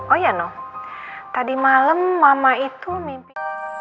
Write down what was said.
oh ya noh tadi malam mama itu mimpi